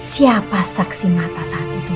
siapa saksi mata saat itu